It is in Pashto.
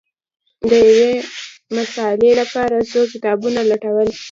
د یوې مسألې لپاره څو کتابونه لټول